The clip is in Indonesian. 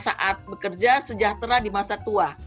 saat bekerja sejahtera di masa tua